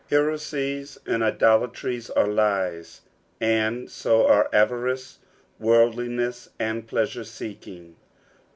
Heresies and idolatries are lies, and so are avarice, worldlinesH, and pleasure seeking.